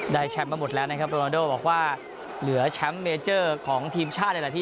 ได้แชมป์มาหมดแล้วนะครับโปรโนโด่บอกว่าเหลือแชมป์เมเจอร์ของทีมชาติ